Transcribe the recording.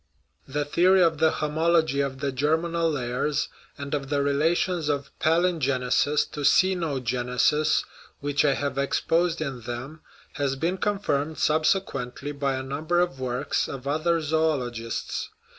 The theory of the homology of the germinal layers and of 81 THE RIDDLE OF THE UNIVERSE the relations of palingenesis to cenogenesis which I have exposed in them has been confirmed subsequently by a number of works of other zoologists.